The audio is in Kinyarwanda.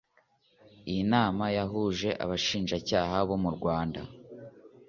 Iyi nama yahuje abashinjacyaha bo mu Rwanda